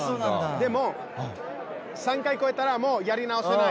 でも３回超えたらもうやり直せない。